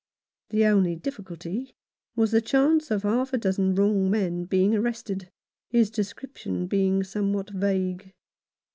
The only difficulty was the chance of half a dozen wrong men being arrested, his description being somewhat vague.